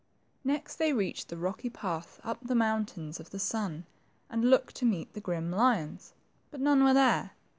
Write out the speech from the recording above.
Next they reached the rocky path up the Moun tains of the Sun, and looked to meet the grim lions ; but none were there.